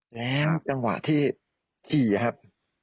แล้วจังหวะที่ขี่ครับ